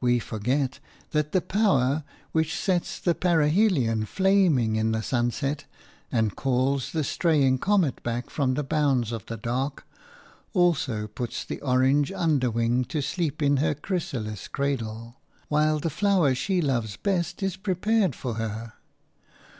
We forget that the power which sets the parhelion flaming in the sunset, and calls the straying comet back from the bounds of the dark, also puts the orange underwing to sleep in her chrysalis cradle, while the flower she loves best is prepared for her.